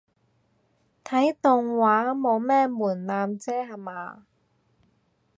睇動畫冇咩門檻啫吓嘛